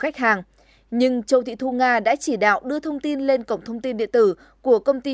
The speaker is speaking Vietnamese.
khách hàng nhưng châu thị thu nga đã chỉ đạo đưa thông tin lên cổng thông tin điện tử của công ty